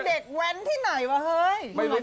โอ้โฮนี่มันเด็กแว้นที่ไหนวะเฮ้ย